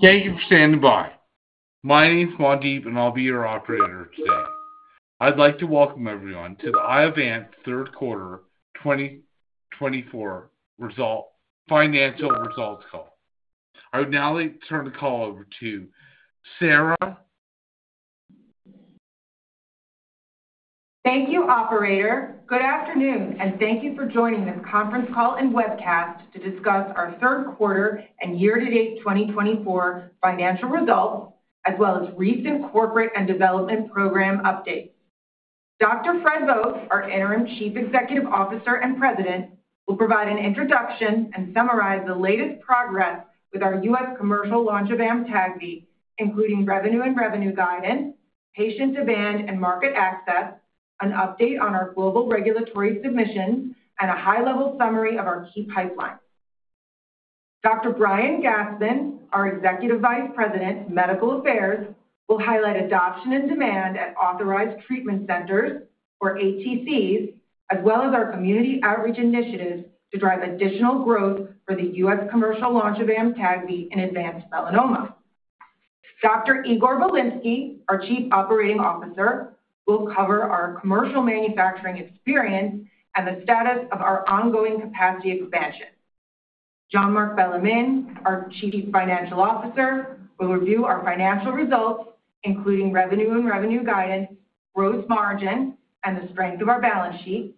Thank you for standing by. My name's John Diep, and I'll be your operator today. I'd like to welcome everyone to the Iovance Q3 2024 financial results call. I would now like to turn the call over to Sara. Thank you, Operator. Good afternoon, and thank you for joining this conference call and webcast to discuss our Q3 and YTD 2024 financial results, as well as recent corporate and development program updates. Dr. Fred Vogt, our Interim Chief Executive Officer and President, will provide an introduction and summarize the latest progress with our U.S. commercial launch of AMTAGVI, including revenue and revenue guidance, patient demand and market access, an update on our global regulatory submissions, and a high-level summary of our key pipelines. Dr. Brian Gastman, our Executive Vice President, Medical Affairs, will highlight adoption and demand at authorized treatment centers, or ATCs, as well as our community outreach initiatives to drive additional growth for the U.S. commercial launch of AMTAGVI in advanced melanoma. Dr. Igor Bilinsky, our Chief Operating Officer, will cover our commercial manufacturing experience and the status of our ongoing capacity expansion. Jean-Marc Bellemin, our Chief Financial Officer, will review our financial results, including revenue and revenue guidance, gross margin, and the strength of our balance sheet,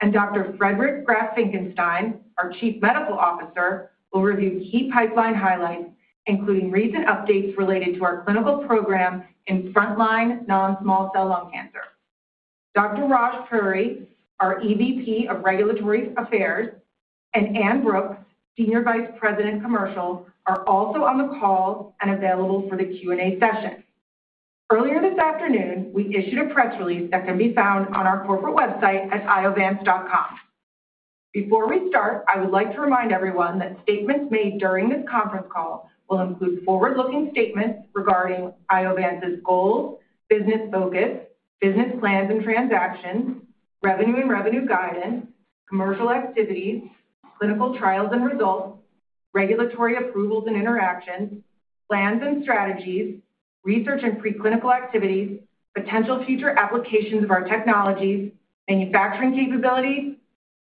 and Dr. Friedrich Graf Finckenstein, our Chief Medical Officer, will review key pipeline highlights, including recent updates related to our clinical program in frontline non-small cell lung cancer. Dr. Raj Puri, our EVP of Regulatory Affairs, and Anne Brooks, Senior Vice President, Commercial, are also on the call and available for the Q&A session. Earlier this afternoon, we issued a press release that can be found on our corporate website at iovance.com. Before we start, I would like to remind everyone that statements made during this conference call will include forward-looking statements regarding Iovance's goals, business focus, business plans and transactions, revenue and revenue guidance, commercial activities, clinical trials and results, regulatory approvals and interactions, plans and strategies, research and preclinical activities, potential future applications of our technologies, manufacturing capabilities,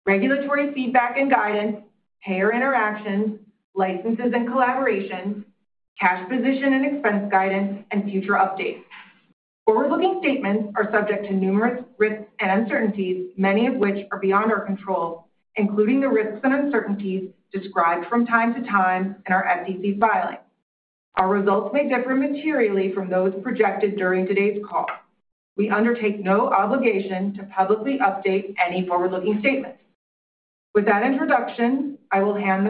regulatory feedback and guidance, payer interactions, licenses and collaborations, cash position and expense guidance, and future updates. Forward-looking statements are subject to numerous risks and uncertainties, many of which are beyond our control, including the risks and uncertainties described from time to time in our SEC filing. Our results may differ materially from those projected during today's call. We undertake no obligation to publicly update any forward-looking statements. With that introduction, I will hand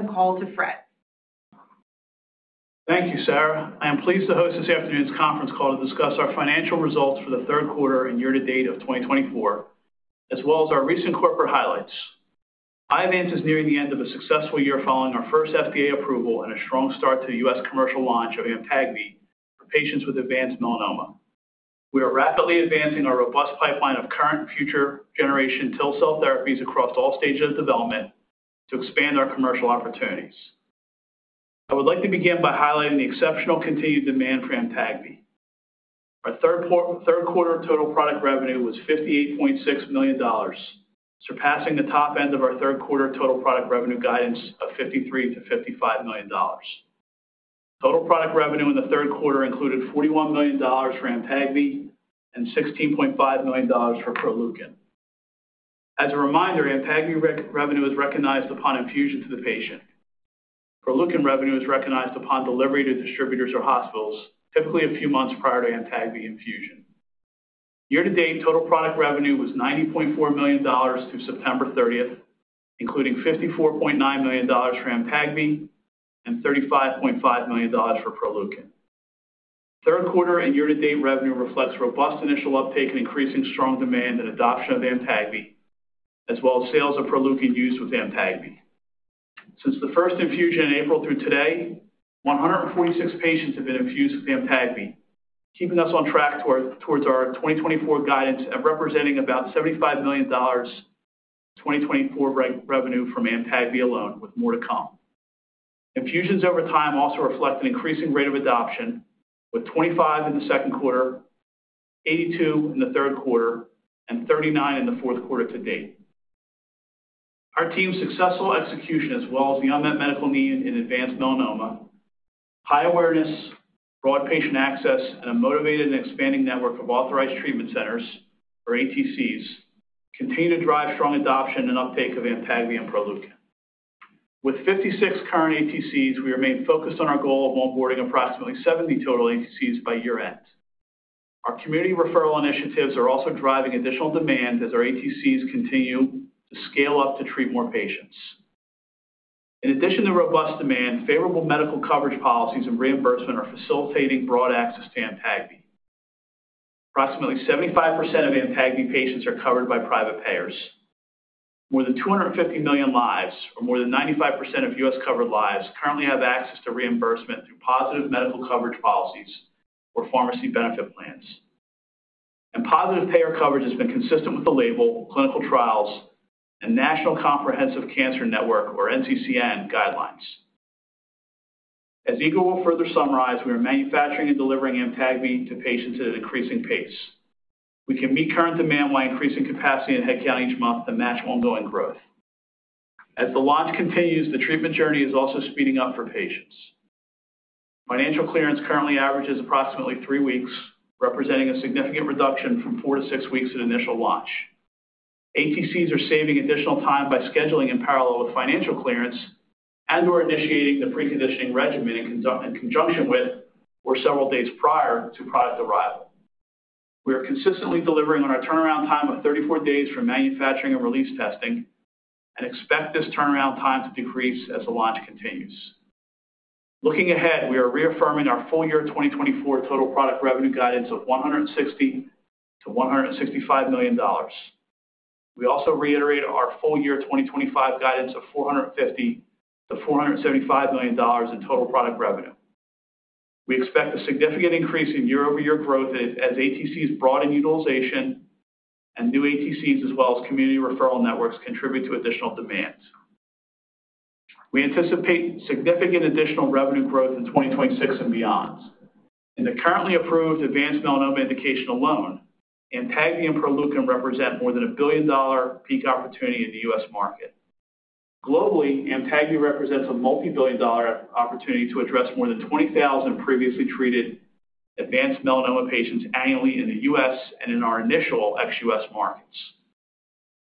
the call to Fred. Thank you, Sara. I am pleased to host this afternoon's conference call to discuss our financial results for Q3 and YTD of 2024, as well as our recent corporate highlights. Iovance is nearing the end of a successful year following our first FDA approval and a strong start to the U.S. commercial launch of AMTAGVI for patients with advanced melanoma. We are rapidly advancing our robust pipeline of current and future generation TIL cell therapies across all stages of development to expand our commercial opportunities. I would like to begin by highlighting the exceptional continued demand for AMTAGVI. Our Q3 total product revenue was $58.6 million, surpassing the top end of our Q3 total product revenue guidance of $53 million-$55 million. Total product revenue in Q3 included $41 million for AMTAGVI and $16.5 million for PROLEUKIN. As a reminder, AMTAGVI revenue is recognized upon infusion to the patient. PROLEUKIN revenue is recognized upon delivery to distributors or hospitals, typically a few months prior to AMTAGVI infusion. YTD total product revenue was $90.4 million through September 30, including $54.9 million for AMTAGVI and $35.5 million for PROLEUKIN. Q3 and YTD revenue reflects robust initial uptake and increasing strong demand and adoption of AMTAGVI, as well as sales of PROLEUKIN used with AMTAGVI. Since the first infusion in April through today, 146 patients have been infused with AMTAGVI, keeping us on track towards our 2024 guidance and representing about $75 million in 2024 revenue from AMTAGVI alone, with more to come. Infusions over time also reflect an increasing rate of adoption, with 25 in Q2, 82 in Q3, and 39 in Q4 to date. Our team's successful execution, as well as the unmet medical need in advanced melanoma, high awareness, broad patient access, and a motivated and expanding network of authorized treatment centers, or ATCs, continue to drive strong adoption and uptake of AMTAGVI and PROLEUKIN. With 56 current ATCs, we remain focused on our goal of onboarding approximately 70 total ATCs by year-end. Our community referral initiatives are also driving additional demand as our ATCs continue to scale up to treat more patients. In addition to robust demand, favorable medical coverage policies and reimbursement are facilitating broad access to AMTAGVI. Approximately 75% of AMTAGVI patients are covered by private payers. More than 250 million lives, or more than 95% of U.S.-covered lives, currently have access to reimbursement through positive medical coverage policies or pharmacy benefit plans. Positive payer coverage has been consistent with the label, clinical trials, and National Comprehensive Cancer Network, or NCCN, guidelines. As Igor will further summarize, we are manufacturing and delivering AMTAGVI to patients at an increasing pace. We can meet current demand by increasing capacity in headcount each month to match ongoing growth. As the launch continues, the treatment journey is also speeding up for patients. Financial clearance currently averages approximately three weeks, representing a significant reduction from four to six weeks at initial launch. ATCs are saving additional time by scheduling in parallel with financial clearance and/or initiating the preconditioning regimen in conjunction with or several days prior to product arrival. We are consistently delivering on our turnaround time of 34 days for manufacturing and release testing and expect this turnaround time to decrease as the launch continues. Looking ahead, we are reaffirming our Q2 2024 total product revenue guidance of $160 million-$165 million. We also reiterate our Q2 2025 guidance of $450 million-$475 million in total product revenue. We expect a significant increase in year-over-year growth as ATCs broaden utilization and new ATCs, as well as community referral networks, contribute to additional demand. We anticipate significant additional revenue growth in 2026 and beyond. In the currently approved advanced melanoma indication alone, AMTAGVI and PROLEUKIN represent more than a billion-dollar peak opportunity in the U.S. market. Globally, AMTAGVI represents a multi-billion-dollar opportunity to address more than 20,000 previously treated advanced melanoma patients annually in the U.S. and in our initial ex-U.S. markets.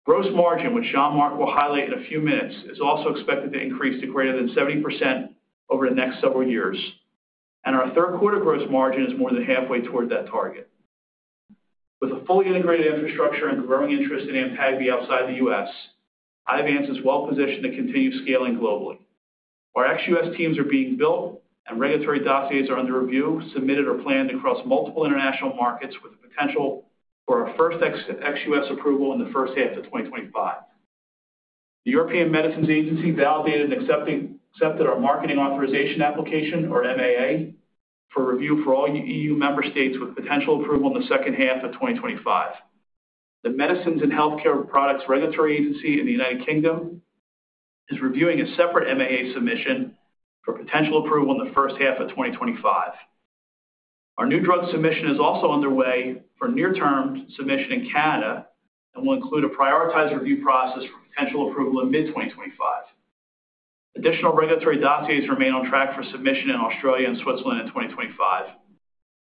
Gross margin, which Jean-Marc Bellemin will highlight in a few minutes, is also expected to increase to greater than 70% over the next several years, and our Q3 gross margin is more than halfway toward that target. With a fully integrated infrastructure and growing interest in AMTAGVI outside the U.S., Iovance is well-positioned to continue scaling globally. Our ex-U.S. teams are being built, and regulatory dossiers are under review, submitted, or planned across multiple international markets, with the potential for our first ex-U.S. approval in the first half of 2025. The European Medicines Agency validated and accepted our marketing authorization application, or MAA, for review for all E.U. member states with potential approval in the second half of 2025. The Medicines and Healthcare Products Regulatory Agency in the United Kingdom is reviewing a separate MAA submission for potential approval in the first half of 2025. Our new drug submission is also underway for near-term submission in Canada and will include a prioritized review process for potential approval in mid-2025. Additional regulatory dossiers remain on track for submission in Australia and Switzerland in 2025,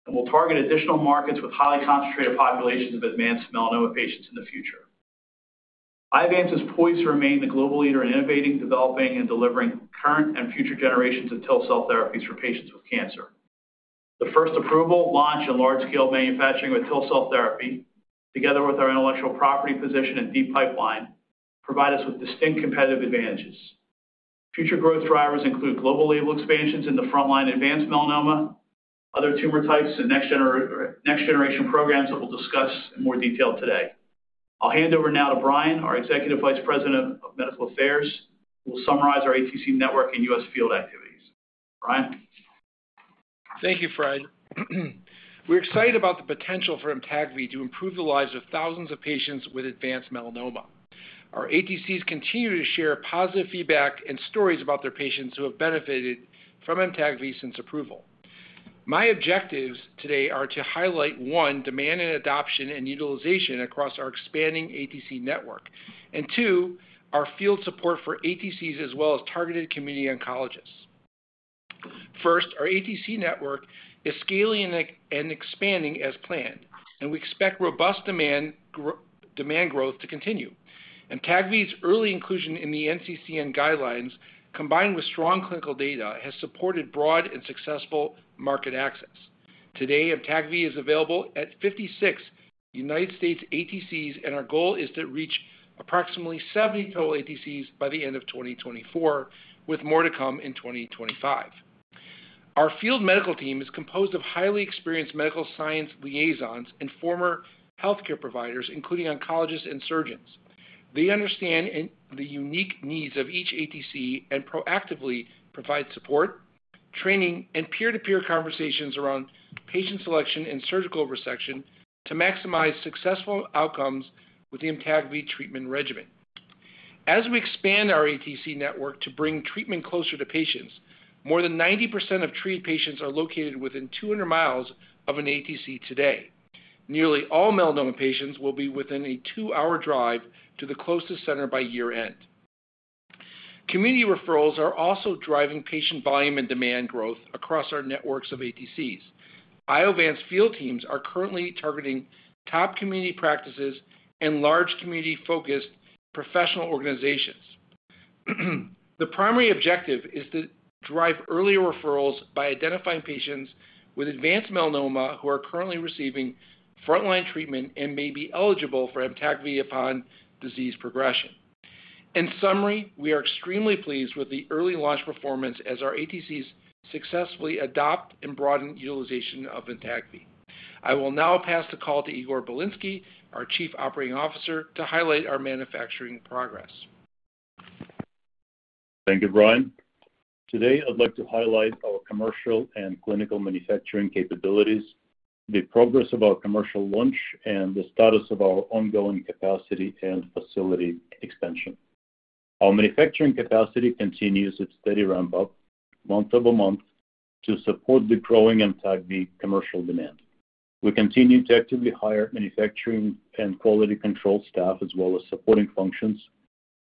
and we'll target additional markets with highly concentrated populations of advanced melanoma patients in the future. Iovance is poised to remain the global leader in innovating, developing, and delivering current and future generations of TIL cell therapies for patients with cancer. The first approval, launch, and large-scale manufacturing of TIL cell therapy, together with our intellectual property position and deep pipeline, provide us with distinct competitive advantages. Future growth drivers include global label expansions in the frontline advanced melanoma, other tumor types, and next-generation programs that we'll discuss in more detail today. I'll hand over now to Brian, our Executive Vice President of Medical Affairs, who will summarize our ATC network and U.S. field activities. Brian. Thank you, Fred. We're excited about the potential for AMTAGVI to improve the lives of thousands of patients with advanced melanoma. Our ATCs continue to share positive feedback and stories about their patients who have benefited from AMTAGVI since approval. My objectives today are to highlight, one, demand and adoption and utilization across our expanding ATC network, and two, our field support for ATCs as well as targeted community oncologists. First, our ATC network is scaling and expanding as planned, and we expect robust demand growth to continue. AMTAGVI's early inclusion in the NCCN guidelines, combined with strong clinical data, has supported broad and successful market access. Today, AMTAGVI is available at 56 United States ATCs, and our goal is to reach approximately 70 total ATCs by the end of 2024, with more to come in 2025. Our field medical team is composed of highly experienced medical science liaisons and former healthcare providers, including oncologists and surgeons. They understand the unique needs of each ATC and proactively provide support, training, and peer-to-peer conversations around patient selection and surgical resection to maximize successful outcomes with the AMTAGVI treatment regimen. As we expand our ATC network to bring treatment closer to patients, more than 90% of treated patients are located within 200 miles of an ATC today. Nearly all melanoma patients will be within a two-hour drive to the closest center by year-end. Community referrals are also driving patient volume and demand growth across our networks of ATCs. Iovance field teams are currently targeting top community practices and large community-focused professional organizations. The primary objective is to drive earlier referrals by identifying patients with advanced melanoma who are currently receiving frontline treatment and may be eligible for AMTAGVI upon disease progression. In summary, we are extremely pleased with the early launch performance as our ATCs successfully adopt and broaden utilization of AMTAGVI. I will now pass the call to Igor Bilinsky, our Chief Operating Officer, to highlight our manufacturing progress. Thank you, Brian. Today, I'd like to highlight our commercial and clinical manufacturing capabilities, the progress of our commercial launch, and the status of our ongoing capacity and facility expansion. Our manufacturing capacity continues its steady ramp-up month over month to support the growing AMTAGVI commercial demand. We continue to actively hire manufacturing and quality control staff, as well as supporting functions,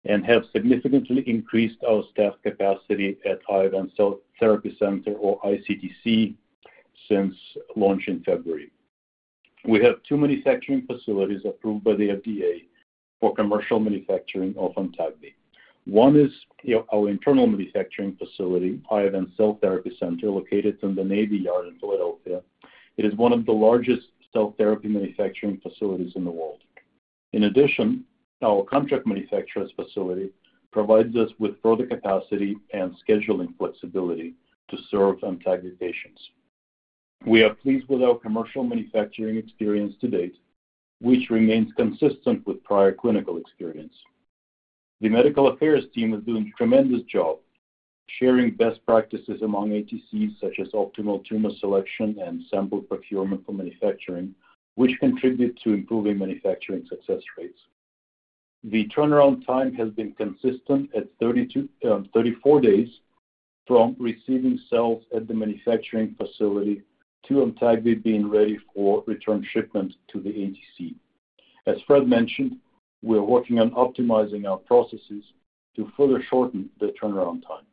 and have significantly increased our staff capacity at Iovance Cell Therapy Center, or ICTC, since launch in February. We have two manufacturing facilities approved by the FDA for commercial manufacturing of AMTAGVI. One is our internal manufacturing facility, Iovance Cell Therapy Center, located in the Navy Yard in Philadelphia. It is one of the largest cell therapy manufacturing facilities in the world. In addition, our contract manufacturer's facility provides us with further capacity and scheduling flexibility to serve AMTAGVI patients. We are pleased with our commercial manufacturing experience to date, which remains consistent with prior clinical experience. The medical affairs team is doing a tremendous job sharing best practices among ATCs, such as optimal tumor selection and sample procurement for manufacturing, which contribute to improving manufacturing success rates. The turnaround time has been consistent at 34 days from receiving cells at the manufacturing facility to AMTAGVI being ready for return shipment to the ATC. As Fred mentioned, we are working on optimizing our processes to further shorten the turnaround time.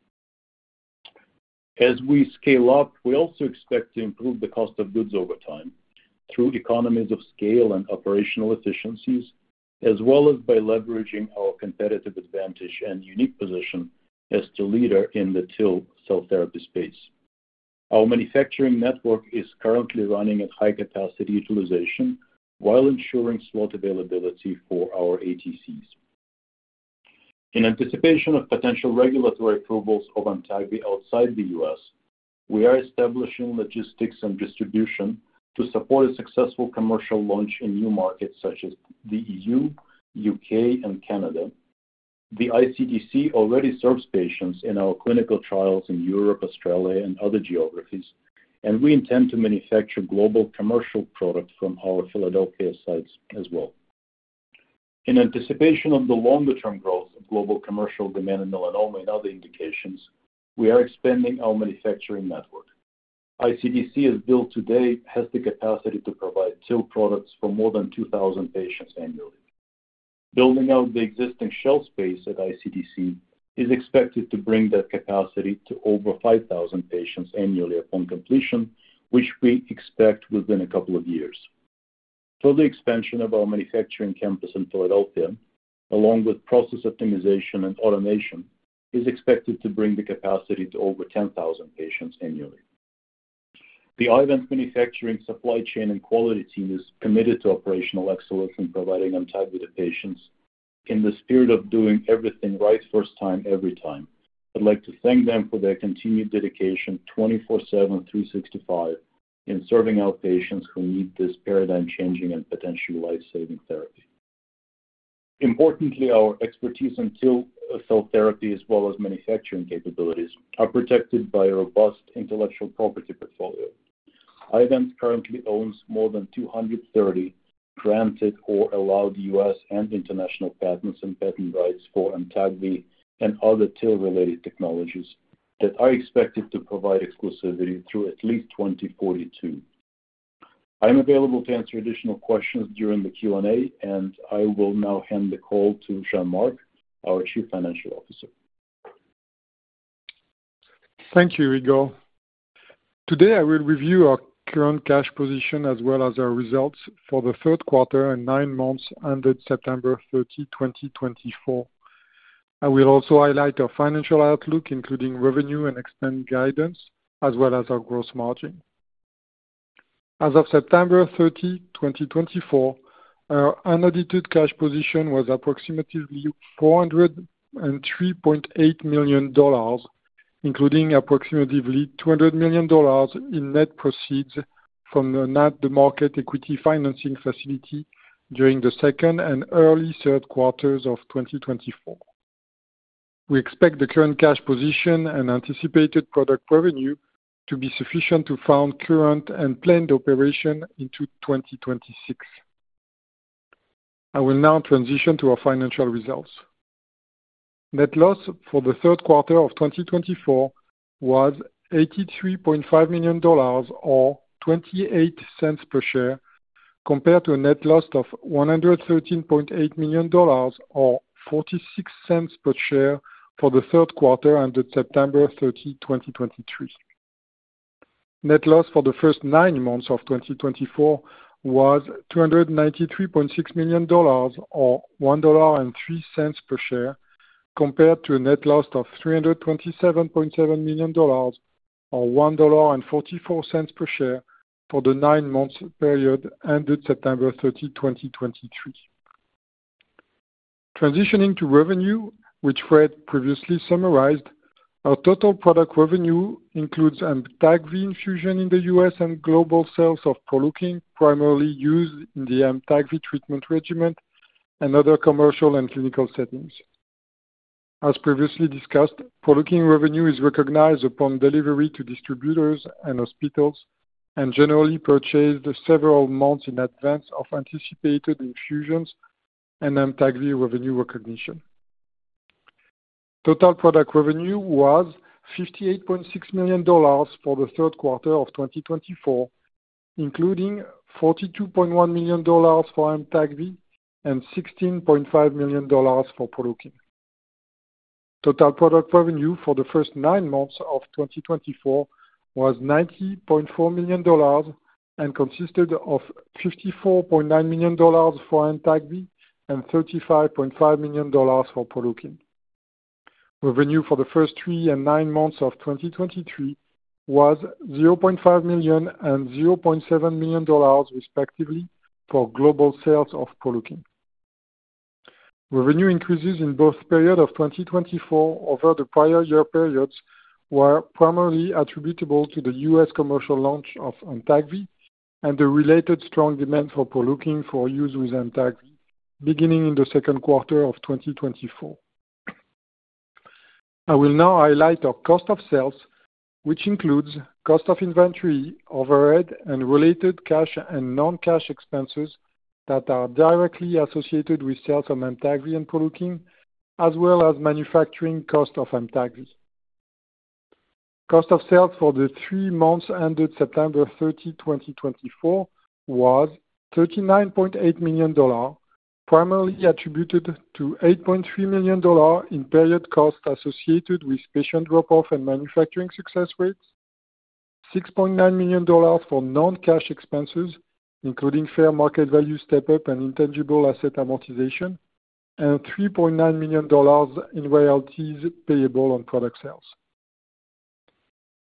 As we scale up, we also expect to improve the cost of goods over time through economies of scale and operational efficiencies, as well as by leveraging our competitive advantage and unique position as the leader in the TIL cell therapy space. Our manufacturing network is currently running at high-capacity utilization while ensuring slot availability for our ATCs. In anticipation of potential regulatory approvals of AMTAGVI outside the U.S., we are establishing logistics and distribution to support a successful commercial launch in new markets such as the E.U., U.K., and Canada. The ICTC already serves patients in our clinical trials in Europe, Australia, and other geographies, and we intend to manufacture global commercial products from our Philadelphia sites as well. In anticipation of the longer-term growth of global commercial demand in melanoma and other indications, we are expanding our manufacturing network. ICTC, as built today, has the capacity to provide TIL products for more than 2,000 patients annually. Building out the existing shelf space at ICTC is expected to bring that capacity to over 5,000 patients annually upon completion, which we expect within a couple of years. Further expansion of our manufacturing campus in Philadelphia, along with process optimization and automation, is expected to bring the capacity to over 10,000 patients annually. The Iovance Manufacturing Supply Chain and Quality Team is committed to operational excellence in providing AMTAGVI to patients in the spirit of doing everything right first time, every time. I'd like to thank them for their continued dedication 24/7, 365, in serving our patients who need this paradigm-changing and potentially life-saving therapy. Importantly, our expertise in TIL cell therapy, as well as manufacturing capabilities, are protected by a robust intellectual property portfolio. Iovance currently owns more than 230 granted or allowed U.S. and international patents and patent rights for AMTAGVI and other TIL-related technologies that are expected to provide exclusivity through at least 2042. I'm available to answer additional questions during the Q&A, and I will now hand the call to Jean-Marc, our Chief Financial Officer. Thank you, Igor. Today, I will review our current cash position as well as our results for the Q3 and nine months ended September 30, 2024. I will also highlight our financial outlook, including revenue and expense guidance, as well as our gross margin. As of September 30, 2024, our unrestricted cash position was approximately $403.8 million, including approximately $200 million in net proceeds from the ATM Market Equity Financing Facility during the second and early Q3 of 2024. We expect the current cash position and anticipated product revenue to be sufficient to fund current and planned operations into 2026. I will now transition to our financial results. Net loss for Q3 of 2024 was $83.5 million, or $0.28 per share, compared to a net loss of $113.8 million, or $0.46 per share for Q3 ended September 30, 2023. Net loss for the first nine months of 2024 was $293.6 million, or $1.03 per share, compared to a net loss of $327.7 million, or $1.44 per share for the nine-month period ended September 30, 2023. Transitioning to revenue, which Fred previously summarized, our total product revenue includes AMTAGVI infusion in the U.S. and global sales of PROLEUKIN, primarily used in the AMTAGVI treatment regimen and other commercial and clinical settings. As previously discussed, PROLEUKIN revenue is recognized upon delivery to distributors and hospitals and generally purchased several months in advance of anticipated infusions and AMTAGVI revenue recognition. Total product revenue was $58.6 million for Q3 of 2024, including $42.1 million for AMTAGVI and $16.5 million for PROLEUKIN. Total product revenue for the first nine months of 2024 was $90.4 million and consisted of $54.9 million for AMTAGVI and $35.5 million for PROLEUKIN. Revenue for the first three and nine months of 2023 was $0.5 million and $0.7 million, respectively, for global sales of PROLEUKIN. Revenue increases in both periods of 2024 over the prior year periods were primarily attributable to the U.S. commercial launch of AMTAGVI and the related strong demand for PROLEUKIN for use with AMTAGVI, beginning in the second quarter of 2024. I will now highlight our cost of sales, which includes cost of inventory, overhead, and related cash and non-cash expenses that are directly associated with sales of AMTAGVI and PROLEUKIN, as well as manufacturing cost of AMTAGVI. Cost of sales for the three months ended September 30, 2024, was $39.8 million, primarily attributed to $8.3 million in period costs associated with patient drop-off and manufacturing success rates, $6.9 million for non-cash expenses, including fair market value step-up and intangible asset amortization, and $3.9 million in royalties payable on product sales.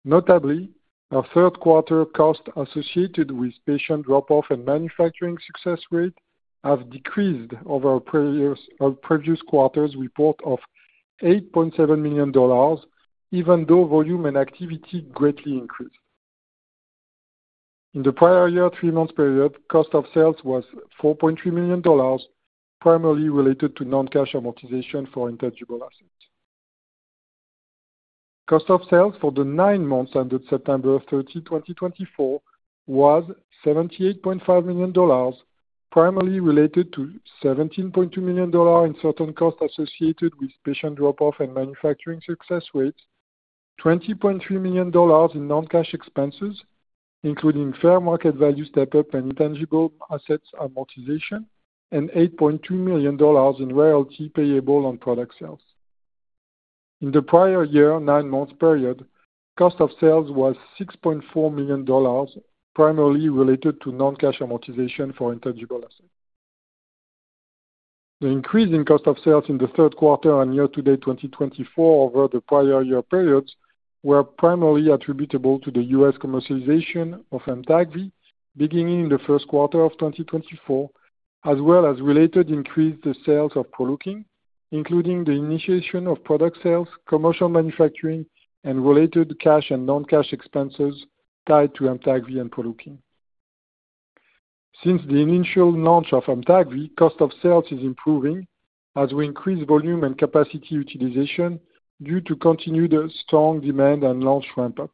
Notably, our Q3 costs associated with patient drop-off and manufacturing success rate have decreased over our previous quarter's report of $8.7 million, even though volume and activity greatly increased. In the prior year three-month period, cost of sales was $4.3 million, primarily related to non-cash amortization for intangible assets. Cost of sales for the nine months ended September 30, 2024, was $78.5 million, primarily related to $17.2 million in certain costs associated with patient drop-off and manufacturing success rates, $20.3 million in non-cash expenses, including fair market value step-up and intangible assets amortization, and $8.2 million in royalty payable on product sales. In the prior year nine-month period, cost of sales was $6.4 million, primarily related to non-cash amortization for intangible assets. The increase in cost of sales in the Q3 and year-to-date 2024 over the prior year periods was primarily attributable to the U.S. commercialization of AMTAGVI, beginning in the first quarter of 2024, as well as related increased sales of PROLEUKIN, including the initiation of product sales, commercial manufacturing, and related cash and non-cash expenses tied to AMTAGVI and PROLEUKIN. Since the initial launch of AMTAGVI, cost of sales is improving as we increase volume and capacity utilization due to continued strong demand and launch ramp-up.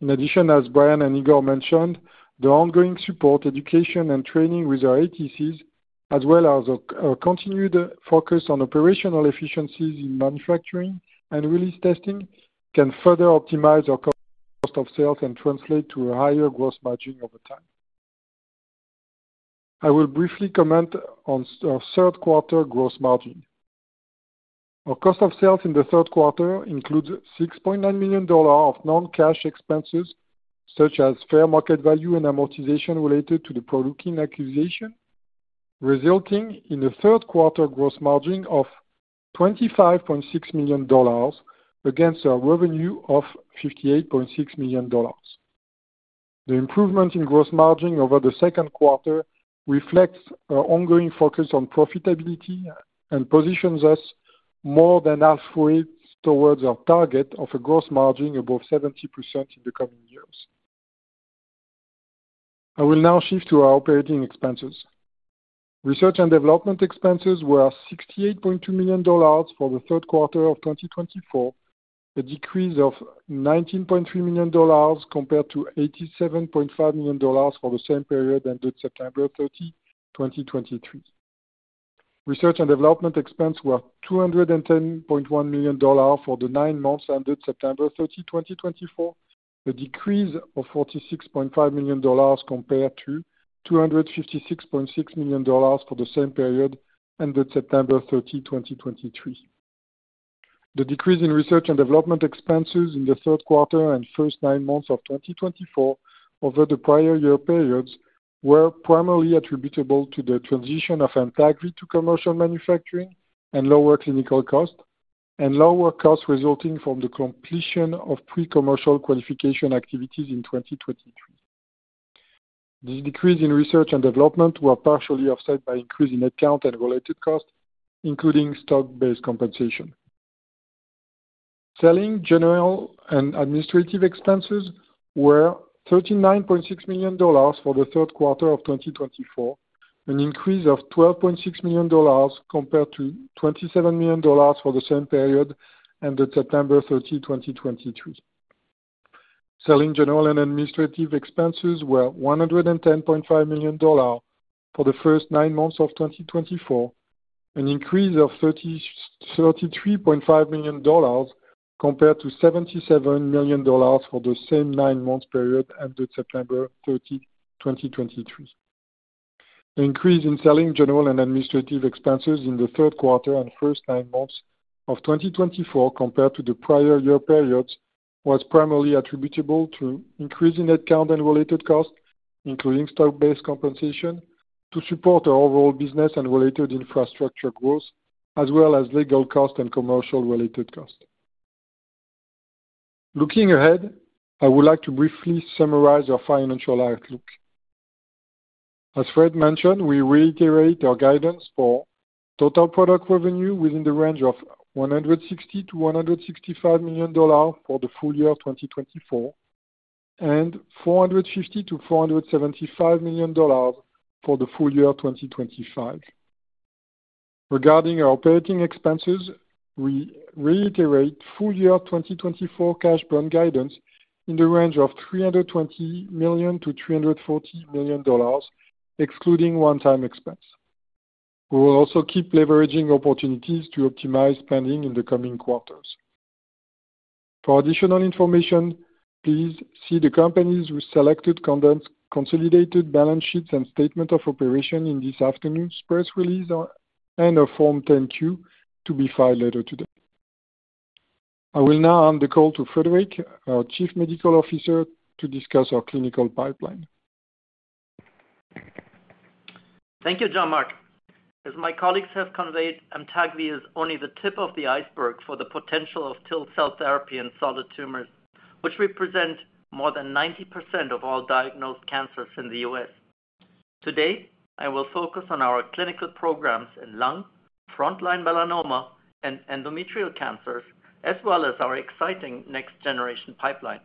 In addition, as Brian and Igor mentioned, the ongoing support, education, and training with our ATCs, as well as our continued focus on operational efficiencies in manufacturing and release testing, can further optimize our cost of sales and translate to a higher gross margin over time. I will briefly comment on our Q3 gross margin. Our cost of sales in the third quarter includes $6.9 million of non-cash expenses, such as fair market value and amortization related to the PROLEUKIN acquisition, resulting in a Q3 gross margin of $25.6 million against our revenue of $58.6 million. The improvement in gross margin over the second quarter reflects our ongoing focus on profitability and positions us more than halfway towards our target of a gross margin above 70% in the coming years. I will now shift to our operating expenses. Research and development expenses were $68.2 million for Q3 of 2024, a decrease of $19.3 million compared to $87.5 million for the same period ended September 30, 2023. Research and development expenses were $210.1 million for the nine months ended September 30, 2024, a decrease of $46.5 million compared to $256.6 million for the same period ended September 30, 2023. The decrease in research and development expenses in the Q3 and first nine months of 2024 over the prior year periods was primarily attributable to the transition of AMTAGVI to commercial manufacturing and lower clinical costs and lower costs resulting from the completion of pre-commercial qualification activities in 2023. This decrease in research and development was partially offset by an increase in headcount and related costs, including stock-based compensation. Selling, general, and administrative expenses were $39.6 million for Q3 of 2024, an increase of $12.6 million compared to $27 million for the same period ended September 30, 2023. Selling, general, and administrative expenses were $110.5 million for the first nine months of 2024, an increase of $33.5 million compared to $77 million for the same nine-month period ended September 30, 2023. The increase in selling, general, and administrative expenses in the Q3 and first nine months of 2024 compared to the prior year periods was primarily attributable to an increase in headcount and related costs, including stock-based compensation, to support our overall business and related infrastructure growth, as well as legal costs and commercial-related costs. Looking ahead, I would like to briefly summarize our financial outlook. As Fred mentioned, we reiterate our guidance for total product revenue within the range of $160 million-$165 million for the full year 2024 and $450 million-$475 million for the full year 2025. Regarding our operating expenses, we reiterate full year 2024 cash burn guidance in the range of $320 million-$340 million, excluding one-time expense. We will also keep leveraging opportunities to optimize spending in the coming quarters. For additional information, please see the company's selected consolidated balance sheets and statements of operations in this afternoon's press release and our Form 10-Q to be filed later today. I will now hand the call to Friedrich, our Chief Medical Officer, to discuss our clinical pipeline. Thank you, Jean-Marc, as my colleagues have conveyed, AMTAGVI is only the tip of the iceberg for the potential of TIL cell therapy in solid tumors, which represent more than 90% of all diagnosed cancers in the U.S. Today, I will focus on our clinical programs in lung, frontline melanoma, and endometrial cancers, as well as our exciting next-generation pipeline.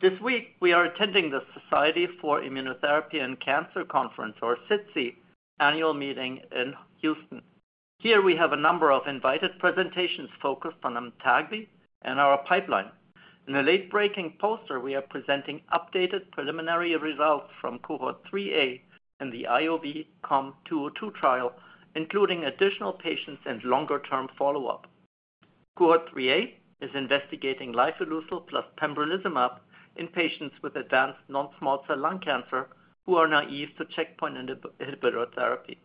This week, we are attending the Society for Immunotherapy of Cancer Conference, or SITC, annual meeting in Houston. Here, we have a number of invited presentations focused on AMTAGVI and our pipeline. In a late-breaking poster, we are presenting updated preliminary results from Cohort 3A and the IOV-COM-202 trial, including additional patients and longer-term follow-up. Cohort 3A is investigating lifileucel plus pembrolizumab in patients with advanced non-small cell lung cancer who are naive to checkpoint inhibitor therapy.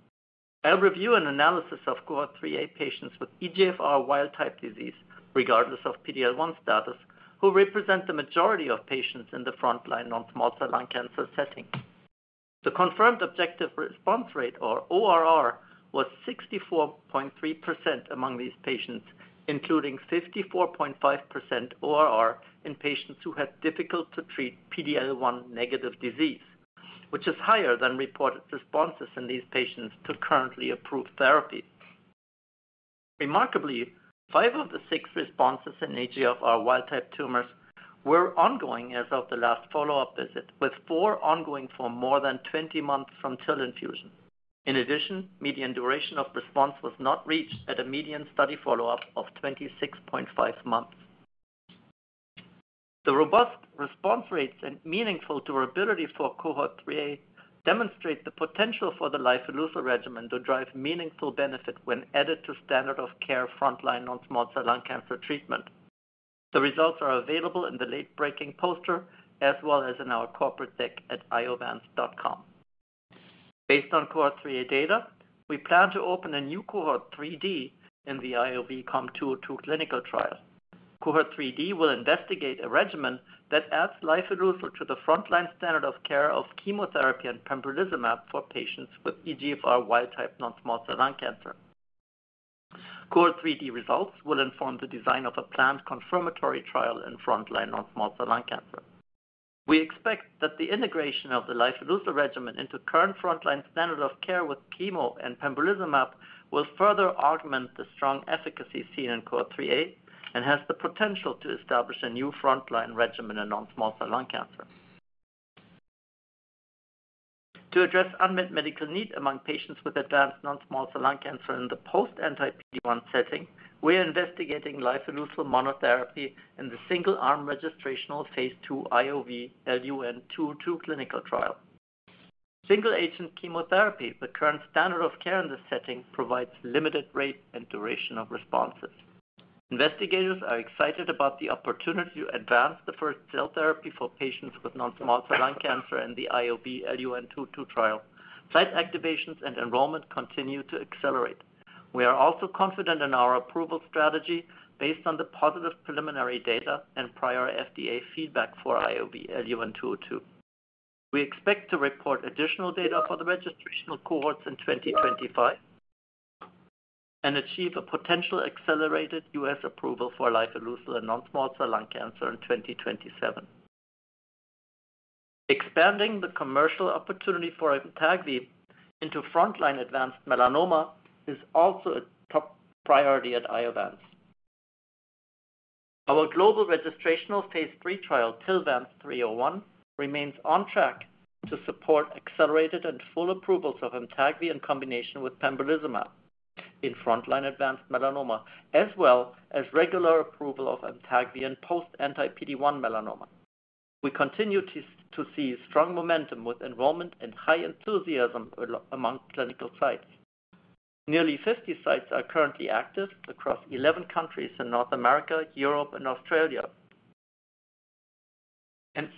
I'll review an analysis of Cohort 3A patients with EGFR wild-type disease, regardless of PD-L1 status, who represent the majority of patients in the frontline non-small cell lung cancer setting. The confirmed Objective Response Rate, or ORR, was 64.3% among these patients, including 54.5% ORR in patients who had difficult-to-treat PD-L1 negative disease, which is higher than reported responses in these patients to currently approved therapy. Remarkably, five of the six responses in EGFR wild-type tumors were ongoing as of the last follow-up visit, with four ongoing for more than 20 months from TIL infusion. In addition, median duration of response was not reached at a median study follow-up of 26.5 months. The robust response rates and meaningful durability for Cohort 3A demonstrate the potential for the lifileucel regimen to drive meaningful benefit when added to standard-of-care frontline non-small cell lung cancer treatment. The results are available in the late-breaking poster, as well as in our corporate deck at iovance.com. Based on Cohort 3A data, we plan to open a new Cohort 3D in the IOV-COM-202 clinical trial. Cohort 3D will investigate a regimen that adds lifileucel to the frontline standard-of-care of chemotherapy and pembrolizumab for patients with EGFR wild-type non-small cell lung cancer. Cohort 3D results will inform the design of a planned confirmatory trial in frontline non-small cell lung cancer. We expect that the integration of the lifileucel regimen into current frontline standard-of-care with chemo and pembrolizumab will further augment the strong efficacy seen in Cohort 3A and has the potential to establish a new frontline regimen in non-small cell lung cancer. To address unmet medical need among patients with advanced non-small cell lung cancer in the post-anti-PD-1 setting, we are investigating lifileucel monotherapy in the single-arm registrational phase II IOV-LUN-202 clinical trial. Single-agent chemotherapy, the current standard-of-care in this setting, provides limited rate and duration of responses. Investigators are excited about the opportunity to advance the first cell therapy for patients with non-small cell lung cancer in the IOV-LUN-202 trial. Site activations and enrollment continue to accelerate. We are also confident in our approval strategy based on the positive preliminary data and prior FDA feedback for IOV-LUN-202. We expect to report additional data for the registrational cohorts in 2025 and achieve a potential accelerated U.S. approval for lifileucel in non-small cell lung cancer in 2027. Expanding the commercial opportunity for AMTAGVI into frontline advanced melanoma is also a top priority at Iovance. Our global registrational phase III trial, TILVANCE-301, remains on track to support accelerated and full approvals of AMTAGVI in combination with pembrolizumab in frontline advanced melanoma, as well as regular approval of AMTAGVI in post-anti-PD-1 melanoma. We continue to see strong momentum with enrollment and high enthusiasm among clinical sites. Nearly 50 sites are currently active across 11 countries in North America, Europe, and Australia, and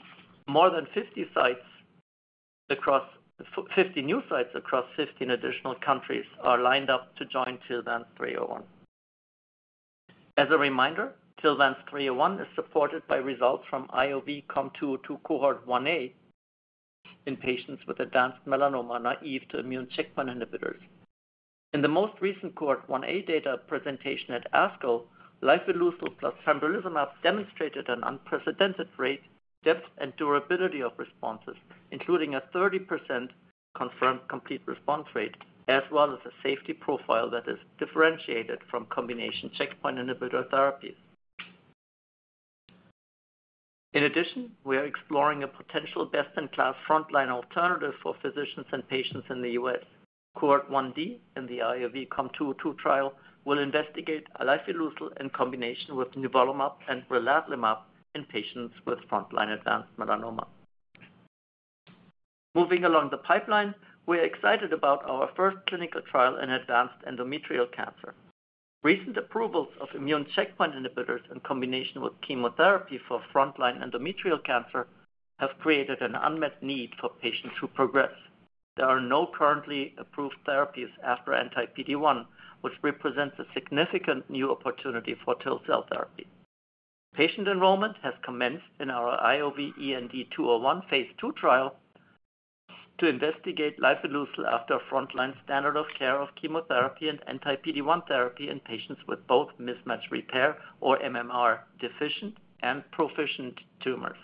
more than 50 new sites across 15 additional countries are lined up to join TILVANCE-301. As a reminder, TILVANCE-301 is supported by results from IOV-COM-202 Cohort 1A in patients with advanced melanoma naive to immune checkpoint inhibitors. In the most recent Cohort 1A data presentation at ASCO, lifileucel plus pembrolizumab demonstrated an unprecedented rate, depth, and durability of responses, including a 30% confirmed complete response rate, as well as a safety profile that is differentiated from combination checkpoint inhibitor therapies. In addition, we are exploring a potential best-in-class frontline alternative for physicians and patients in the U.S. Cohort 1D in the IOV-COM-202 trial will investigate lifileucel in combination with nivolumab and relatlimab in patients with frontline advanced melanoma. Moving along the pipeline, we are excited about our first clinical trial in advanced endometrial cancer. Recent approvals of immune checkpoint inhibitors in combination with chemotherapy for frontline endometrial cancer have created an unmet need for patients who progress. There are no currently approved therapies after anti-PD-1, which represents a significant new opportunity for TIL cell therapy. Patient enrollment has commenced in our IOV-END-201 phase II trial to investigate lifileucel after frontline standard-of-care of chemotherapy and anti-PD-1 therapy in patients with both mismatch repair or MMR deficient and proficient tumors.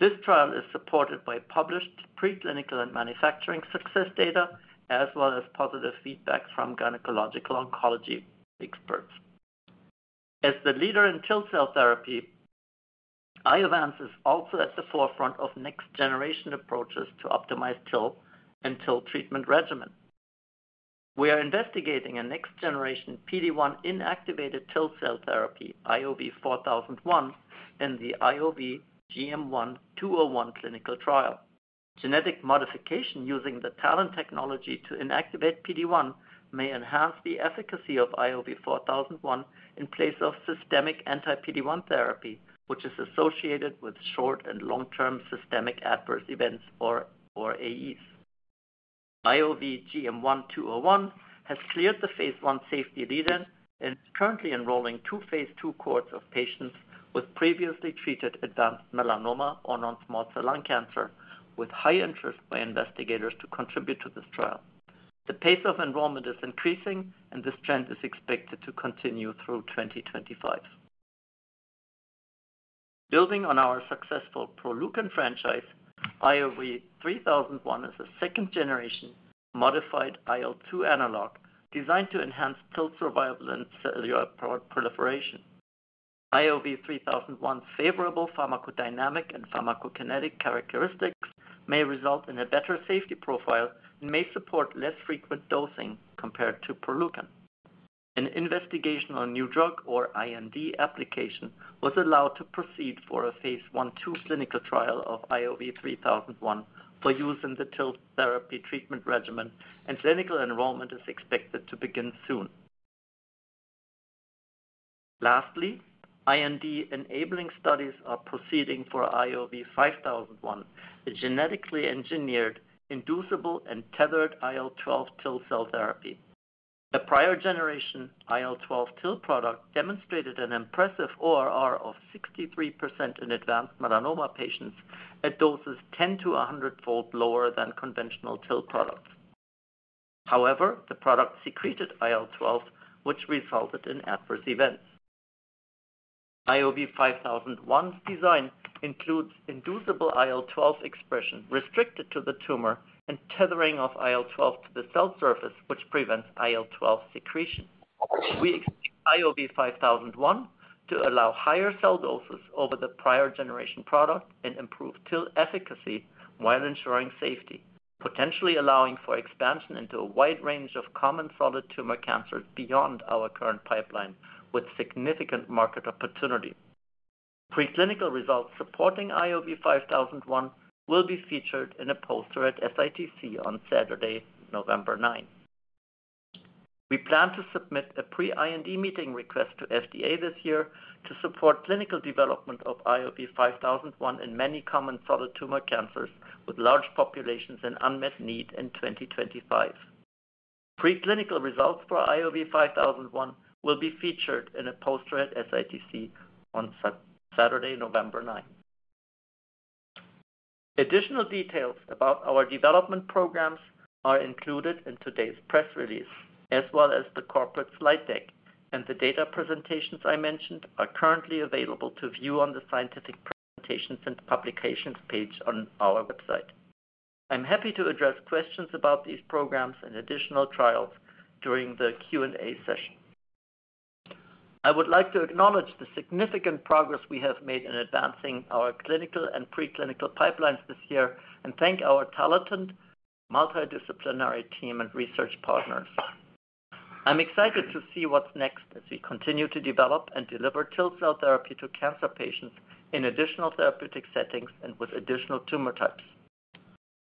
This trial is supported by published preclinical and manufacturing success data, as well as positive feedback from gynecological oncology experts. As the leader in TIL cell therapy, Iovance is also at the forefront of next-generation approaches to optimize TIL and TIL treatment regimen. We are investigating a next-generation PD-1 inactivated TIL cell therapy, IOV-4001, in the IOV-GM1-201 clinical trial. Genetic modification using the TALEN technology to inactivate PD-1 may enhance the efficacy of IOV-4001 in place of systemic anti-PD-1 therapy, which is associated with short and long-term systemic adverse events, or AEs. IOV-GM1-201 has cleared the phase I safety review and is currently enrolling two phase II cohorts of patients with previously treated advanced melanoma or non-small cell lung cancer, with high interest by investigators to contribute to this trial. The pace of enrollment is increasing, and this trend is expected to continue through 2025. Building on our successful PROLEUKIN franchise, IOV-3001 is a second-generation modified IL-2 analog designed to enhance TIL survival and cellular proliferation. IOV-3001's favorable pharmacodynamic and pharmacokinetic characteristics may result in a better safety profile and may support less frequent dosing compared to PROLEUKIN. An investigational new drug, or IND, application was allowed to proceed for a phase II clinical trial of IOV-3001 for use in the TIL therapy treatment regimen, and clinical enrollment is expected to begin soon. Lastly, IND-enabling studies are proceeding for IOV-5001, a genetically engineered inducible and tethered IL-12 TIL cell therapy. The prior-generation IL-12 TIL product demonstrated an impressive ORR of 63% in advanced melanoma patients at doses 10 to 100-fold lower than conventional TIL products. However, the product secreted IL-12, which resulted in adverse events. IOV-5001's design includes inducible IL-12 expression restricted to the tumor and tethering of IL-12 to the cell surface, which prevents IL-12 secretion. We expect IOV-5001 to allow higher cell doses over the prior-generation product and improve TIL efficacy while ensuring safety, potentially allowing for expansion into a wide range of common solid tumor cancers beyond our current pipeline, with significant market opportunity. Preclinical results supporting IOV-5001 will be featured in a poster at SITC on Saturday, November 9. We plan to submit a pre-IND meeting request to FDA this year to support clinical development of IOV-5001 in many common solid tumor cancers with large populations in unmet need in 2025. Preclinical results for IOV-5001 will be featured in a poster at SITC on Saturday, November 9. Additional details about our development programs are included in today's press release, as well as the corporate slide deck, and the data presentations I mentioned are currently available to view on the scientific presentations and publications page on our website. I'm happy to address questions about these programs and additional trials during the Q&A session. I would like to acknowledge the significant progress we have made in advancing our clinical and preclinical pipelines this year and thank our talented multidisciplinary team and research partners. I'm excited to see what's next as we continue to develop and deliver TIL cell therapy to cancer patients in additional therapeutic settings and with additional tumor types.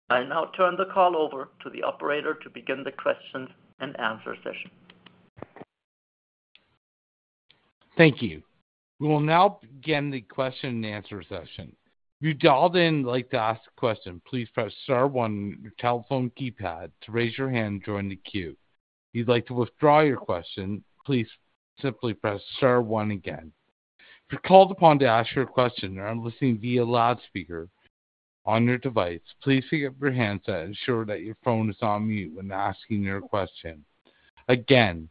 I now turn the call over to the operator to begin the question and answer session. Thank you. We will now begin the question and answer session. If you'd all then like to ask a question, please press star one on your telephone keypad to raise your hand during the queue. If you'd like to withdraw your question, please simply press star one again. If you're called upon to ask your question, or I'm listening via loudspeaker on your device, please pick up your hands and ensure that your phone is on mute when asking your question. Again,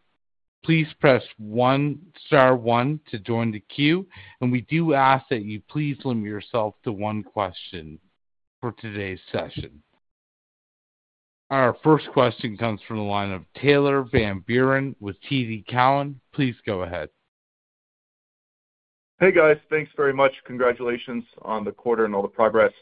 please press one star one to join the queue, and we do ask that you please limit yourself to one question for today's session. Our first question comes from the line of Tyler Van Buren with TD Cowen. Please go ahead. Hey, guys. Thanks very much. Congratulations on the quarter and all the progress.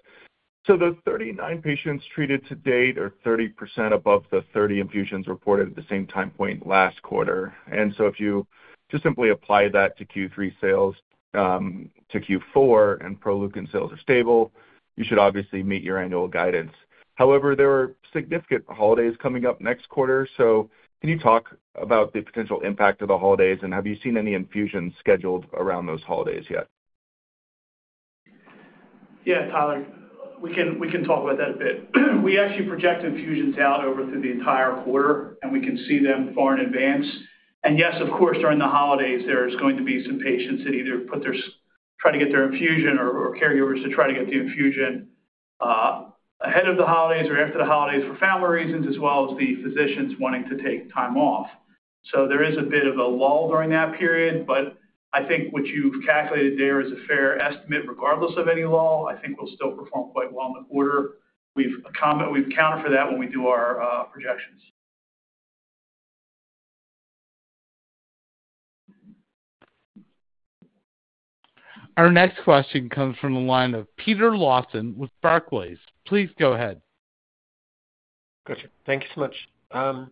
So the 39 patients treated to date are 30% above the 30 infusions reported at the same time point last quarter, and so if you just simply apply that to Q3 sales, to Q4, and PROLEUKIN sales are stable, you should obviously meet your annual guidance. However, there are significant holidays coming up next quarter, so can you talk about the potential impact of the holidays, and have you seen any infusions scheduled around those holidays yet? Yeah, Tyler, we can talk about that a bit. We actually project infusions out over the entire quarter, and we can see them far in advance. And yes, of course, during the holidays, there's going to be some patients that either try to get their infusion or caregivers to try to get the infusion ahead of the holidays or after the holidays for family reasons, as well as the physicians wanting to take time off. So there is a bit of a lull during that period, but I think what you've calculated there is a fair estimate regardless of any lull. I think we'll still perform quite well in the quarter. We've accounted for that when we do our projections. Our next question comes from the line of Peter Lawson with Barclays. Please go ahead. Gotcha. Thank you so much.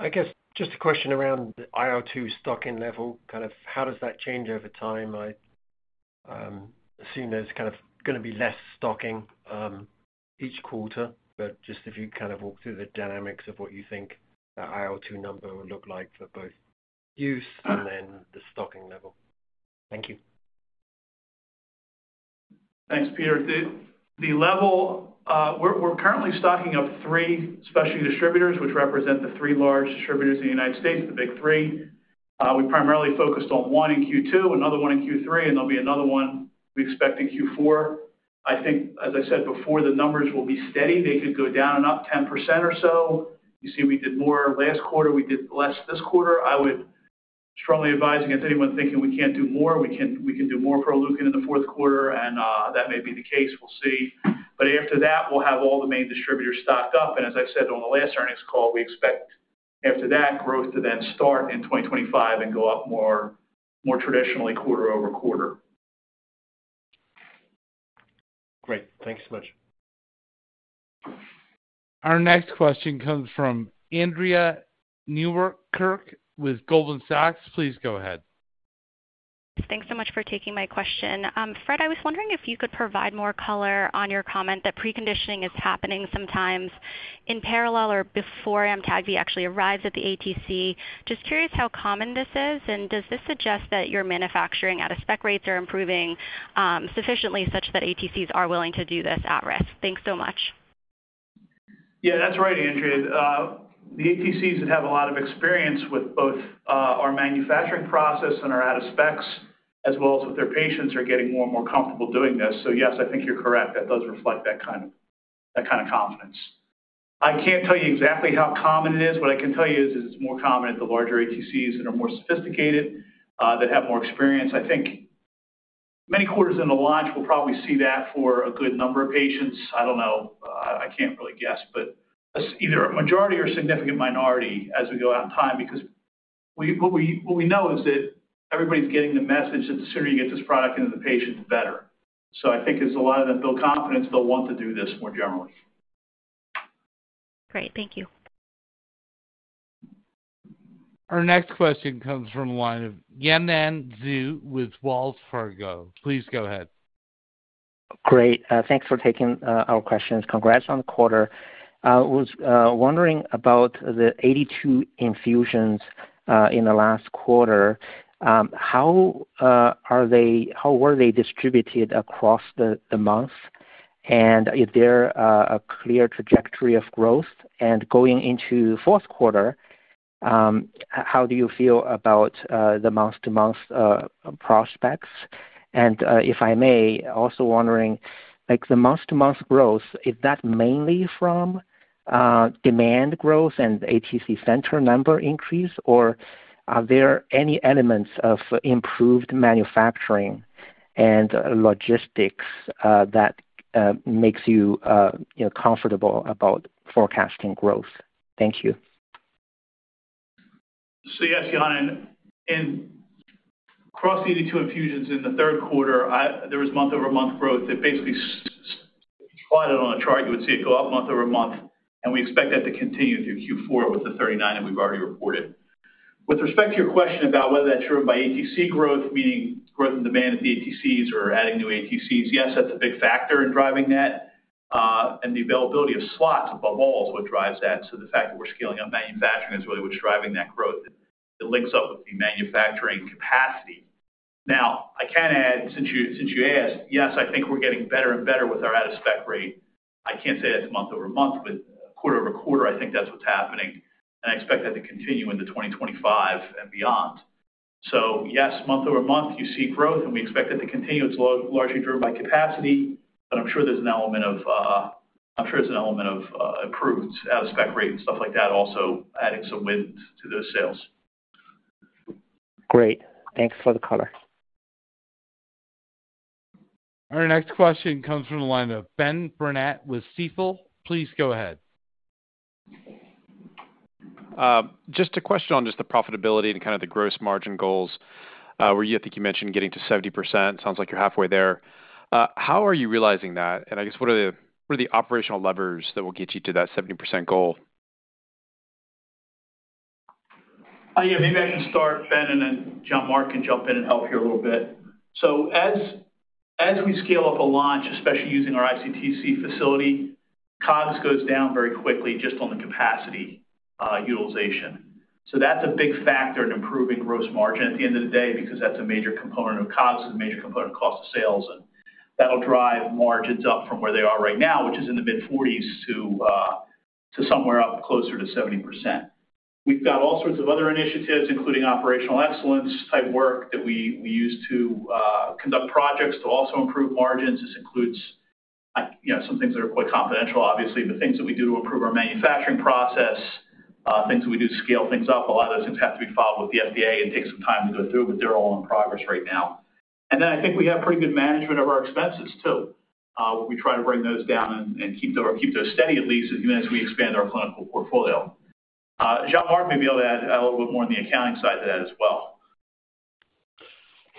I guess just a question around the IL-2 stocking level, kind of how does that change over time? I assume there's kind of going to be less stocking each quarter, but just if you kind of walk through the dynamics of what you think that IL-2 number will look like for both use and then the stocking level. Thank you. Thanks, Peter. The level, we're currently stocking up three specialty distributors, which represent the three large distributors in the United States, the big three. We primarily focused on one in Q2, another one in Q3, and there'll be another one we expect in Q4. I think, as I said before, the numbers will be steady. They could go down and up 10% or so. You see, we did more last quarter. We did less this quarter. I would strongly advise against anyone thinking we can't do more. We can do more PROLEUKIN in the fourth quarter, and that may be the case. We'll see. But after that, we'll have all the main distributors stocked up, and as I said on the last earnings call, we expect after that growth to then start in 2025 and go up more traditionally quarter-over-quarter. Great. Thanks so much. Our next question comes from Andrea Newkirk with Goldman Sachs. Please go ahead. Thanks so much for taking my question. Fred, I was wondering if you could provide more color on your comment that preconditioning is happening sometimes in parallel or before AMTAGVI actually arrives at the ATC. Just curious how common this is, and does this suggest that your manufacturing out-of-spec rates are improving sufficiently such that ATCs are willing to do this at risk? Thanks so much. Yeah, that's right, Andrea. The ATCs that have a lot of experience with both our manufacturing process and our out-of-specs, as well as with their patients, are getting more and more comfortable doing this. So yes, I think you're correct. That does reflect that kind of confidence. I can't tell you exactly how common it is. What I can tell you is it's more common at the larger ATCs that are more sophisticated, that have more experience. I think many quarters in the launch will probably see that for a good number of patients. I don't know. I can't really guess, but either a majority or significant minority as we go out in time because what we know is that everybody's getting the message that the sooner you get this product into the patient, the better. So I think as a lot of them build confidence, they'll want to do this more generally. Great. Thank you. Our next question comes from the line of Yanan Zhu with Wells Fargo. Please go ahead. Great. Thanks for taking our questions. Congrats on the quarter. I was wondering about the 82 infusions in the last quarter. How were they distributed across the month, and is there a clear trajectory of growth? And going into fourth quarter, how do you feel about the month-to-month prospects? If I may, also wondering, the month-to-month growth, is that mainly from demand growth and ATC center number increase, or are there any elements of improved manufacturing and logistics that makes you comfortable about forecasting growth? Thank you. Yes, Yan, and across the 82 infusions in the third quarter, there was month-over-month growth. It basically plotted on a chart. You would see it go up month-over-month, and we expect that to continue through Q4 with the 39 that we've already reported. With respect to your question about whether that's driven by ATC growth, meaning growth and demand at the ATCs or adding new ATCs, yes, that's a big factor in driving that. And the availability of slots above all is what drives that. The fact that we're scaling up manufacturing is really what's driving that growth. It links up with the manufacturing capacity. Now, I can add, since you asked, yes, I think we're getting better and better with our out-of-spec rate. I can't say that's month-over-month, but quarter-over-quarter, I think that's what's happening, and I expect that to continue into 2025 and beyond. So yes, month-over-month, you see growth, and we expect it to continue. It's largely driven by capacity, but I'm sure there's an element of improved out-of-spec rate and stuff like that, also adding some wind to those sales. Great. Thanks for the color. Our next question comes from the line of Ben Burnett with Stifel. Please go ahead. Just a question on just the profitability and kind of the gross margin goals. I think you mentioned getting to 70%. Sounds like you're halfway there. How are you realizing that? And I guess what are the operational levers that will get you to that 70% goal? Yeah, maybe I can start, Ben, and then Jean-Marc can jump in and help you a little bit. So as we scale up a launch, especially using our ICTC facility, COGS goes down very quickly just on the capacity utilization. So that's a big factor in improving gross margin at the end of the day because that's a major component of COGS, a major component of cost of sales, and that'll drive margins up from where they are right now, which is in the mid-40s to somewhere up closer to 70%. We've got all sorts of other initiatives, including operational excellence-type work that we use to conduct projects to also improve margins. This includes some things that are quite confidential, obviously, but things that we do to improve our manufacturing process, things that we do to scale things up. A lot of those things have to be filed with the FDA and take some time to go through, but they're all in progress right now, and then I think we have pretty good management of our expenses too. We try to bring those down and keep those steady, at least, as we expand our clinical portfolio. Jean-Marc may be able to add a little bit more on the accounting side to that as well.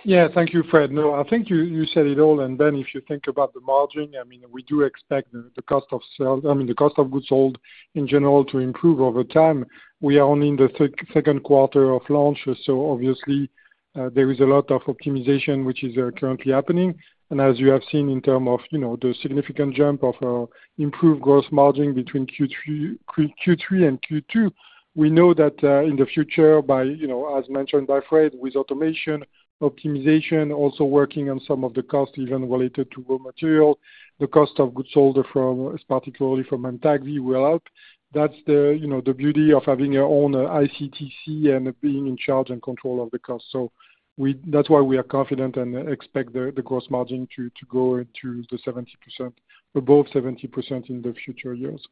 Yeah, thank you, Fred. No, I think you said it all, and Ben, if you think about the margin, I mean, we do expect the cost of sales, I mean, the cost of goods sold in general, to improve over time. We are only in the second quarter of launch, so obviously, there is a lot of optimization, which is currently happening, and as you have seen in terms of the significant jump of improved gross margin between Q3 and Q2, we know that in the future, as mentioned by Fred, with automation, optimization, also working on some of the costs even related to raw materials, the cost of goods sold, particularly from AMTAGVI, will help. That's the beauty of having your own ICTC and being in charge and control of the cost. So that's why we are confident and expect the gross margin to go into the 70%, above 70% in the future years.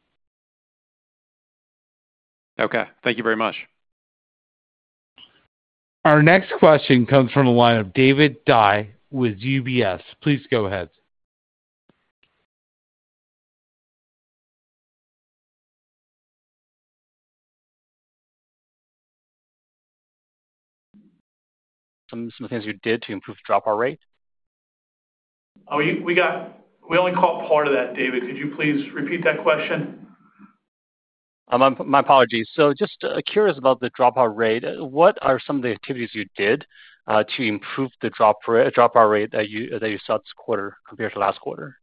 Okay. Thank you very much. Our next question comes from the line of David Dai with UBS. Please go ahead. Some of the things you did to improve dropout rate? We only caught part of that, David. Could you please repeat that question? My apologies. So just curious about the dropout rate. What are some of the activities you did to improve the dropout rate that you saw this quarter compared to last quarter?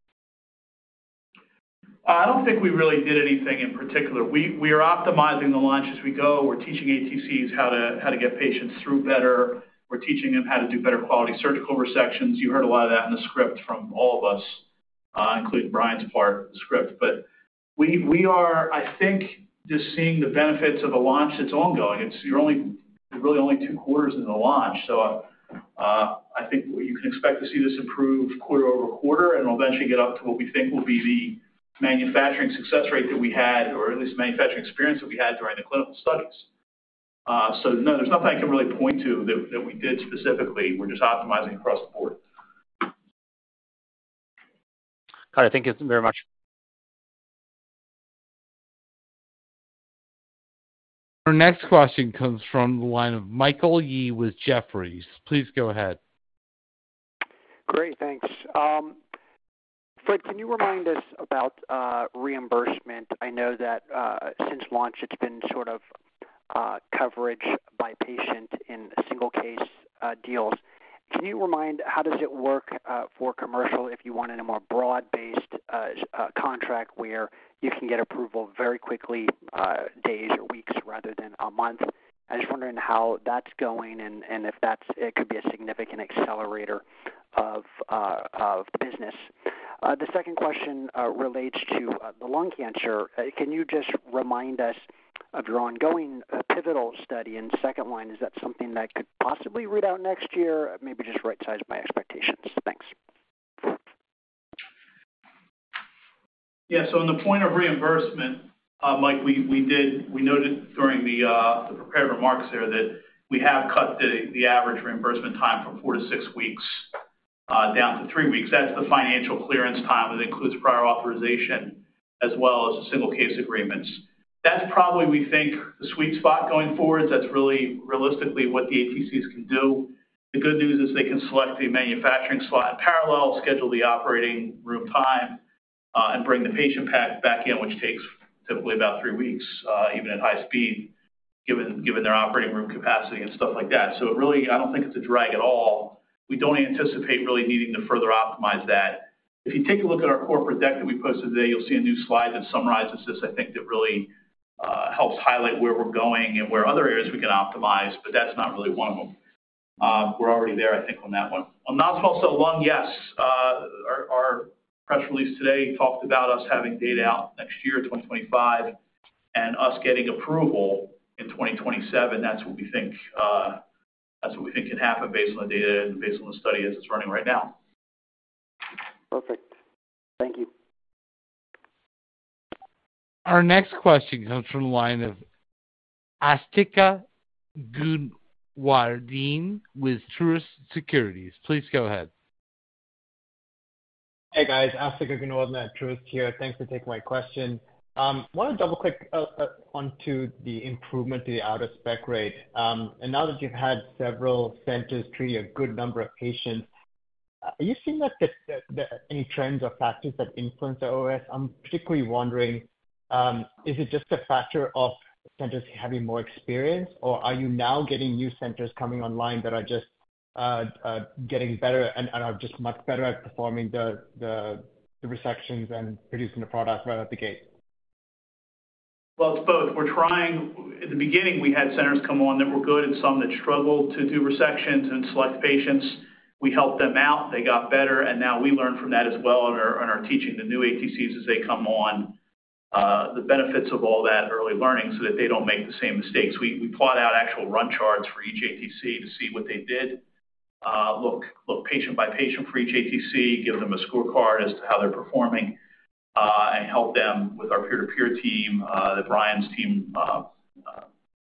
I don't think we really did anything in particular. We are optimizing the launch as we go. We're teaching ATCs how to get patients through better. We're teaching them how to do better quality surgical resections. You heard a lot of that in the script from all of us, including Brian's part of the script. But we are, I think, just seeing the benefits of a launch that's ongoing. It's really only two quarters into the launch. So I think you can expect to see this improve quarter-over-quarter, and we'll eventually get up to what we think will be the manufacturing success rate that we had, or at least manufacturing experience that we had during the clinical studies. So no, there's nothing I can really point to that we did specifically. We're just optimizing across the board. Got it. Thank you very much. Our next question comes from the line of Michael Yee with Jefferies. Please go ahead. Great. Thanks. Fred, can you remind us about reimbursement? I know that since launch, it's been sort of coverage by patient in single-case deals. Can you remind how does it work for commercial if you wanted a more broad-based contract where you can get approval very quickly, days or weeks, rather than a month? I was wondering how that's going and if that could be a significant accelerator of the business. The second question relates to the lung cancer. Can you just remind us of your ongoing pivotal study in the second line? Is that something that could possibly read out next year? Maybe just right-size my expectations. Thanks. Yeah. So on the point of reimbursement, Mike, we noted during the prepared remarks there that we have cut the average reimbursement time from four to six weeks down to three weeks. That's the financial clearance time that includes prior authorization as well as the single-case agreements. That's probably, we think, the sweet spot going forward. That's really realistically what the ATCs can do. The good news is they can select a manufacturing slot in parallel, schedule the operating room time, and bring the patient pack back in, which takes typically about three weeks, even at high speed, given their operating room capacity and stuff like that. So really, I don't think it's a drag at all. We don't anticipate really needing to further optimize that. If you take a look at our corporate deck that we posted today, you'll see a new slide that summarizes this, I think, that really helps highlight where we're going and where other areas we can optimize, but that's not really one of them. We're already there, I think, on that one. On non-small cell lung, yes. Our press release today talked about us having data out next year, 2025, and us getting approval in 2027. That's what we think. That's what we think can happen based on the data and based on the study as it's running right now. Perfect. Thank you. Our next question comes from the line of Asthika Goonewardene with Truist Securities. Please go ahead. Hey, guys. Asthika Goonewardene at Truist here. Thanks for taking my question. I want to double-click onto the improvement to the out-of-spec rate. And now that you've had several centers treat a good number of patients, are you seeing any trends or factors that influence the OOS? I'm particularly wondering, is it just a factor of centers having more experience, or are you now getting new centers coming online that are just getting better and are just much better at performing the resections and producing the product right out the gate? Well, it's both. At the beginning, we had centers come on that were good and some that struggled to do resections and select patients. We helped them out. They got better, and now we learn from that as well in our teaching the new ATCs as they come on, the benefits of all that early learning so that they don't make the same mistakes. We plot out actual run charts for each ATC to see what they did, look patient by patient for each ATC, give them a scorecard as to how they're performing, and help them with our peer-to-peer team. Brian's team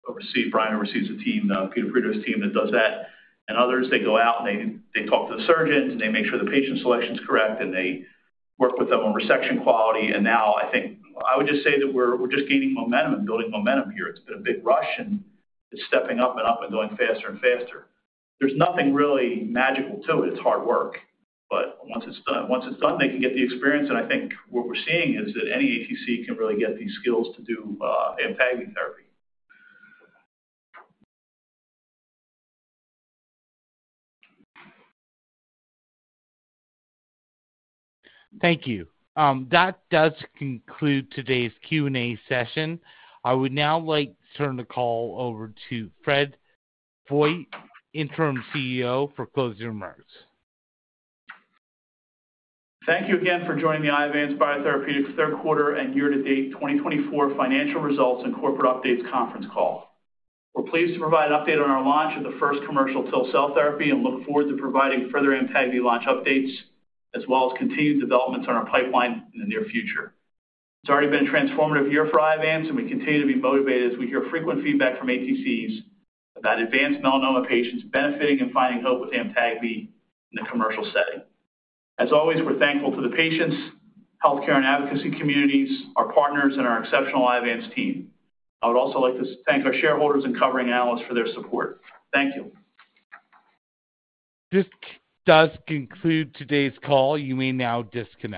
oversees the team, the Friedrich's team that does that, and others, they go out and they talk to the surgeons, and they make sure the patient selection is correct, and they work with them on resection quality. And now, I think I would just say that we're just gaining momentum, building momentum here. It's been a big rush, and it's stepping up and up and going faster and faster. There's nothing really magical to it. It's hard work. But once it's done, they can get the experience. And I think what we're seeing is that any ATC can really get these skills to do AMTAGVI therapy. Thank you. That does conclude today's Q&A session. I would now like to turn the call over to Fred Vogt, Interim CEO, for closing remarks. Thank you again for joining the Iovance Biotherapeutics third quarter and year-to-date 2024 financial results and corporate updates conference call. We're pleased to provide an update on our launch of the first commercial TIL cell therapy and look forward to providing further AMTAGVI launch updates as well as continued developments on our pipeline in the near future. It's already been a transformative year for Iovance, and we continue to be motivated as we hear frequent feedback from ATCs about advanced melanoma patients benefiting and finding hope with AMTAGVI in the commercial setting. As always, we're thankful to the patients, healthcare, and advocacy communities, our partners, and our exceptional Iovance team. I would also like to thank our shareholders and covering analysts for their support. Thank you. This does conclude today's call. You may now disconnect.